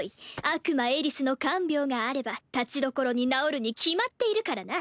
悪魔エリスの看病があればたちどころに治るに決まっているからな。